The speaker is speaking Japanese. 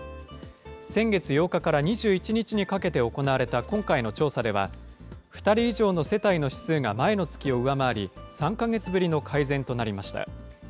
先月８日から２１日にかけて行われた今回の調査では、２人以上の世帯の指数が前の月を上回り、３か月ぶりの改善となりました。